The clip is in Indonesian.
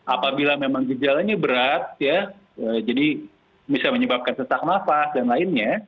apabila memang gejalanya berat ya jadi bisa menyebabkan sesak nafas dan lainnya